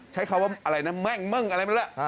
ใช้คำว่าอะไรนะแม่งเม่งอะไรไม่รู้ล่ะ